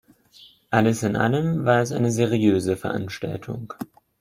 Alles in allem war es eine seriöse Veranstaltung.